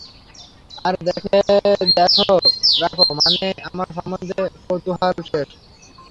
আর দেখে রাখো মানেই আমার সম্বন্ধে তোমার কৌতুহল শেষ।